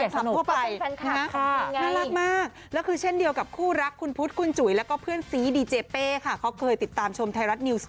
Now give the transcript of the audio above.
แต่อยากร่วมกิจกรรมเหมือนแฟนคลับทั่วไป